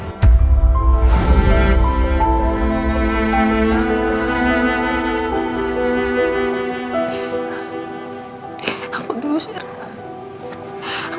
aku dusir mbak